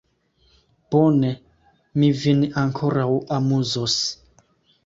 Bone, mi vin ankoraŭ amuzos!